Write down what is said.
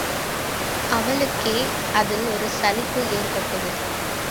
அவளுக்கே அதில் ஒரு சலிப்பு ஏற்பட்டது.